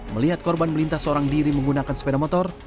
melihat korban melintas seorang diri menggunakan sepeda motor